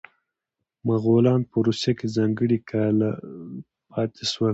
مغولان په روسیه کې ځانګړي کاله پاتې شول.